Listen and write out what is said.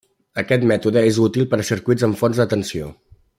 Aquest mètode és útil per a circuits amb fonts de tensió.